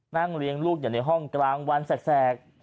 นั่งเลี้ยงลูกอย่างในห้องกลางวันแสก